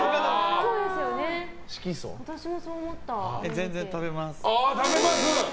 全然、食べます。